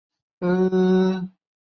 卒于任内。